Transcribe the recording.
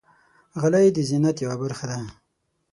غلۍ د زینت یوه برخه ده.